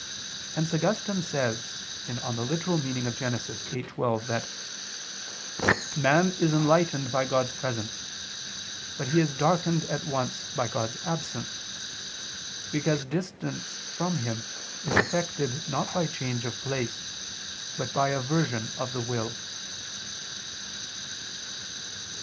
Hence Augustine says (Gen. ad lit. viii, 12) that "man is enlightened by God's presence, but he is darkened at once by God's absence, because distance from Him is effected not by change of place but by aversion of the will."